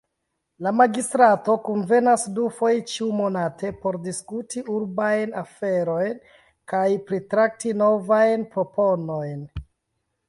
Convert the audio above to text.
La Magistrato kunvenas dufoje ĉiu-monate por diskuti urbajn aferojn kaj pritrakti novajn proponojn.